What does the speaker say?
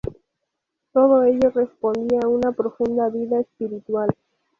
Todo ello respondía a una profunda vida espiritual.